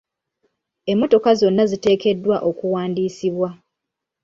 Emmotoka zonna ziteekeddwa okuwandiisibwa .